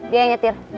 dia yang nyetir